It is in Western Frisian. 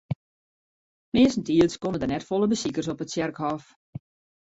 Meastentiids komme der net folle besikers op it tsjerkhôf.